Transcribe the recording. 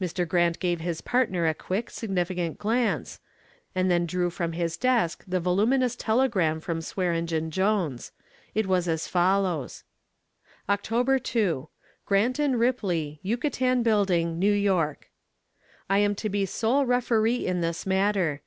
Mr. Grant gave his partner a quick, significant glance, and then drew from his desk the voluminous telegram from Swearengen Jones. It was as follows: October 2. GRANT & RIPLEY, Yucatan Building, New York. I am to be sole referee in this matter.